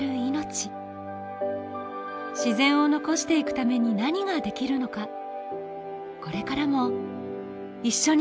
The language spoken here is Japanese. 自然を残していくために何ができるのかこれからも一緒に考えていきましょう